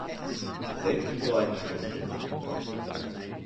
Selten so einen Stuss gehört.